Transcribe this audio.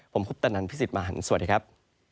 ผมคุปตะนันพี่สิทธิ์มหันฯสวัสดีครับ